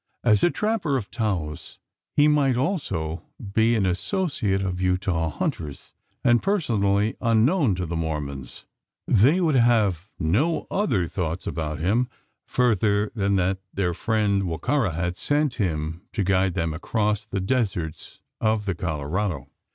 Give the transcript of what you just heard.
As a trapper of Taos, he might also be an associate of Utah hunters; and personally unknown to the Mormons, they would have no other thoughts about him further than that their friend Wa ka ra had sent him to guide them across the deserts of the Colorado.